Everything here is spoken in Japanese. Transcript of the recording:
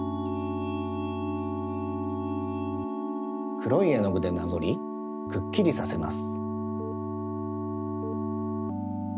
くろいえのぐでなぞりくっきりさせます。